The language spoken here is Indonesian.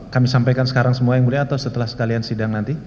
kami sampaikan sekarang semua yang mulia atau setelah sekalian sidang nanti